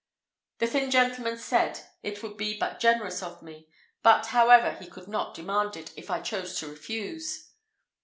The thin gentleman said it would be but generous of me, but, however, he could not demand it, if I chose to refuse.